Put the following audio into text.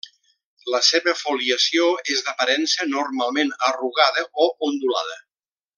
La seva foliació és d'aparença normalment arrugada o ondulada.